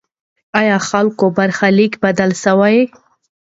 آیا خلک خپل برخلیک بدلولی سي؟